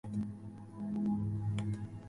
Pertenece al municipio de Población de Arroyo.